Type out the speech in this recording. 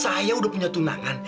saya udah punya tunangan